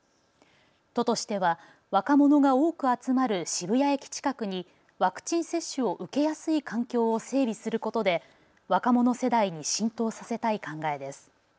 都としては若者が多く集まる渋谷駅近くにワクチン接種を受けやすい環境を整備することで若者世代に浸透させたい考えです。